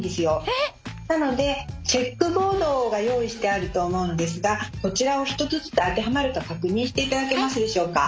ええ！？なのでチェックボードが用意してあると思うのですがそちらを１つずつ当てはまるか確認していただけますでしょうか。